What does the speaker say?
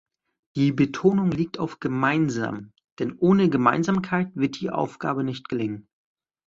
Die Betonung liegt auf gemeinsam, denn ohne Gemeinsamkeit wird die Aufgabe nicht gelingen.